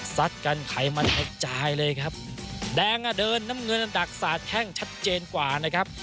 กันไขมันกระจายเลยครับแดงอ่ะเดินน้ำเงินดักสาดแข้งชัดเจนกว่านะครับ